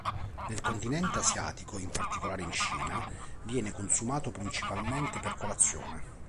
Nel continente asiatico, in particolare in Cina, viene consumato principalmente per colazione.